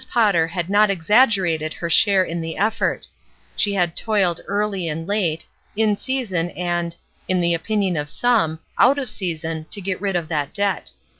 Potter had not exaggerated her share in the effort; she had toiled early and late, in season and — in the opinion of some — out of season to get rid of that debt.